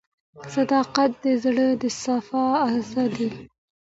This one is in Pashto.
• صداقت د زړه د صفا راز دی.